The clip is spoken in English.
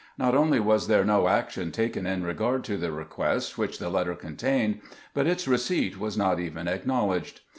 Not only was there no action taken in regard to the request which the letter contained, but its receipt was not even acknowledged.